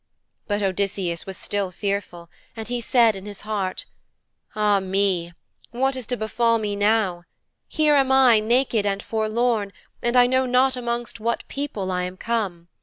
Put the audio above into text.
But Odysseus was still fearful, and he said in his heart, 'Ah me! what is to befall me now? Here am I, naked and forlorn, and I know not amongst what people I am come.